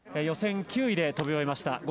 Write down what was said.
予選９位で飛び終えました。